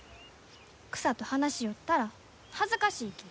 草と話しよったら恥ずかしいき。